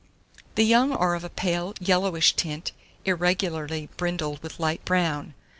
The young are of a pale yellowish tint, irregularly brindled with light brown.